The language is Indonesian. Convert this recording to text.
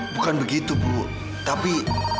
bukan begitu bu tapi